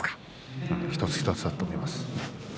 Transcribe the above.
一つ一つだと思います。